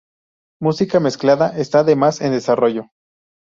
Música remezclada está además en desarrollo.